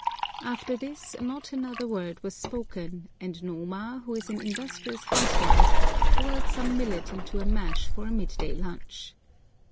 After this not another word was spoken, and Noma, who is an industrious housewife, boiled some millet into a mash for a mid day lunch.